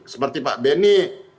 seperti pak bene